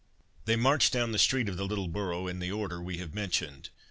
They marched down the street of the little borough in the order we have mentioned.